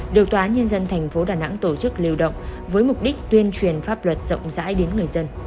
được tòa nhân dân thành phố đà nẵng tổ chức liều động với mục đích tuyên truyền pháp luật rộng rãi đến người dân